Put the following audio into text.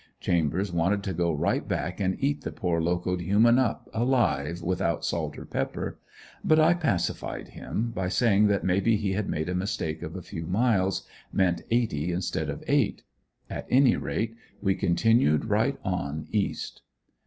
Chambers wanted to go right back and eat the poor "locoed" human up alive without salt or pepper. But I pacified him by saying that maybe he had made a mistake of a few miles, meant eighty instead of eight. At any rate we continued right on, east.